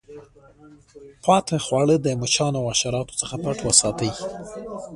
پاته خواړه د مچانو او حشراتو څخه پټ وساتئ.